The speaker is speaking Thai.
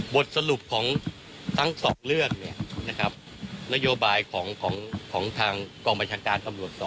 บทสรุปของทั้งสองเรื่องนโยบายของทางกองประชังการ